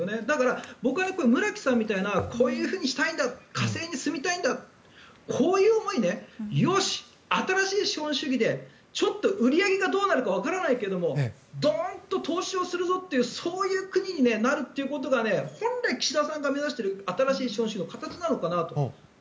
だから僕は村木さんみたいなこういうふうにしたいんだ火星に住みたいんだってこういう思いでよし、新しい資本主義でちょっと売り上げがどうなるかわからないけどもどーんと投資をするぞというそういう国になることが本来、岸田さんが目指している新しい資本主義の形なのかなと。